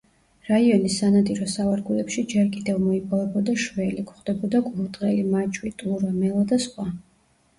რაიონის სანადირო სავარგულებში ჯერ კიდევ მოიპოვებოდა შველი, გვხვდებოდა კურდღელი, მაჩვი, ტურა, მელა და სხვა.